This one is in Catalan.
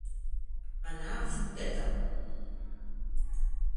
Anar a Fonteta.